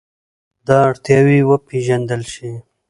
دا اړتیاوې وپېژندل شي.